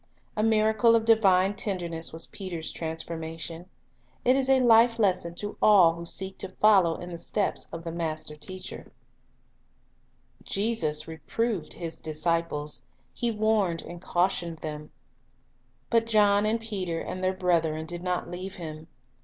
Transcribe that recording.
A miracle of divine tenderness was Peter's transfor mation. It is a life lesson to all who seek to follow in the steps of the Master Teacher. A Miracle of Miracles Jesus reproved His disciples, He warned and cau tioned them ; but John and Peter and their brethren did not leave Him.